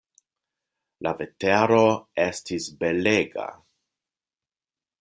La vetero estis belega.